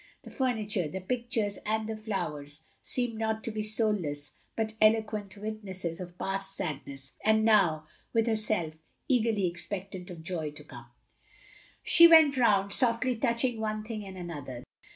The furniture, the pictures, and the flowers, seemed not to be soulless, but eloquent witnesses of past sadness; and now, with herself, eagerly expectant of joy to come. OF GROSVENOR SQUARE 75 She went round, softly touching one thing and another.